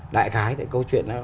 đại khái thì câu chuyện nó